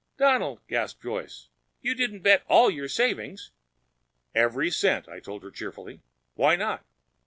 "Donald!" gasped Joyce. "You didn't bet all your savings?" "Every cent," I told her cheerfully. "Why not?"